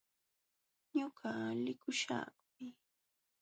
Ñuqa likuśhaqmi.